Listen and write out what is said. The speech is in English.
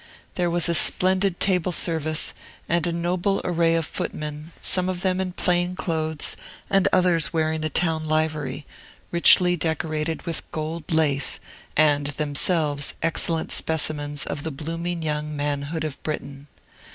There was a splendid table service, and a noble array of footmen, some of them in plain clothes, and others wearing the town livery, richly decorated with gold lace, and themselves excellent specimens of the blooming young manhood of Britain.